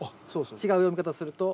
違う読み方をすると？